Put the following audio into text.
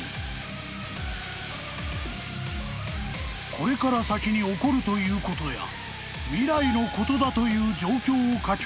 ［これから先に起こるということや未来のことだという状況を書き込む人物が現れた］